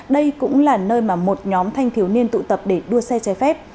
đây cũng là nơi mà một nhóm thanh thiếu niên tụ tập để đua xe trái phép